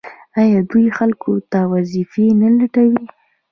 آیا دوی خلکو ته وظیفې نه لټوي؟